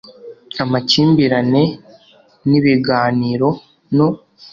amakimbirane ni ibiganiro no